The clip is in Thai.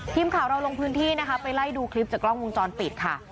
ทีมข่าวเราลงพื้นที่นะคะไปไล่ดูคลิปจากกล้องวงจรปิดค่ะ